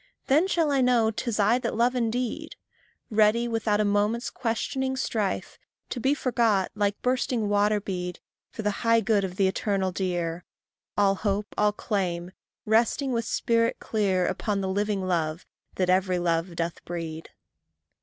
Then shall I know 'tis I that love indeed Ready, without a moment's questioning strife, To be forgot, like bursting water bead, For the high good of the eternal dear; All hope, all claim, resting, with spirit clear, Upon the living love that every love doth breed.